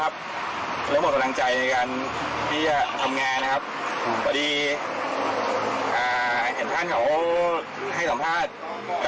เพราะว่ามันดำมันพอกกอบผมยังไง